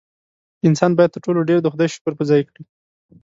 انسان باید تر ټولو ډېر د خدای شکر په ځای کړي.